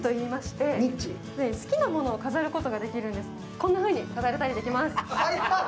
こんなふうに飾れたりできます。